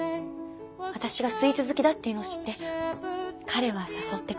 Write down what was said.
私がスイーツ好きだっていうのを知って彼は誘ってくれた。